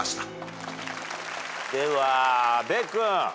では阿部君。